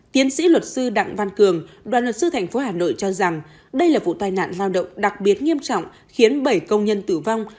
tiến sĩ luật sư đặng văn cường đoàn luật sư tp hà nội cho rằng đây là vụ tai nạn lao động đặc biệt nghiêm trọng khiến bảy công nhân tử vong